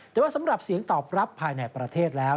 แต่ว่าสำหรับเสียงตอบรับภายในประเทศแล้ว